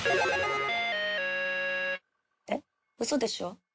えっウソでしょ？